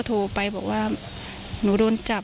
โทรไปถามว่าแม่ช่วยด้วยถูกจับ